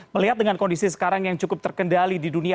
melihat dengan kondisi sekarang yang cukup terkendali di dunia